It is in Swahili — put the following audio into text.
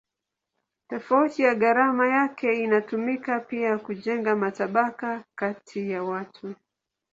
Tofauti ya gharama yake inatumika pia kujenga matabaka kati ya watu.